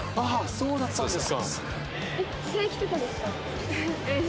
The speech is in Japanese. そうだったんですか。